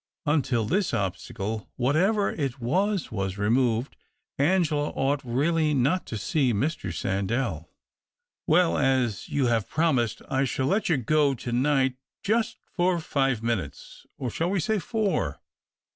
Until this obstacle, whatever it was, was removed, Angela ought really not to see Mr. Sandell. "Well, as you have promised, I shall let you go to night, just for five minutes — or shall we say four